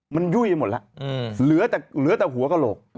มันยุ้ยหมดละเหลือแต่หัวกระโหลก